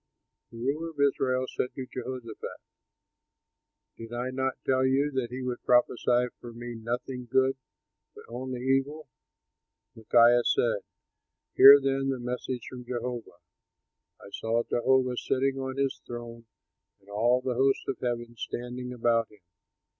'" The ruler of Israel said to Jehoshaphat, "Did I not tell you that he would prophesy for me nothing good, but only evil?" Micaiah said, "Hear then the message from Jehovah: I saw Jehovah sitting on his throne and all the host of heaven standing about him.